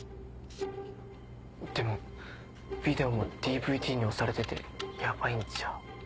でもビデオもＤＶＤに押されててヤバいんじゃ。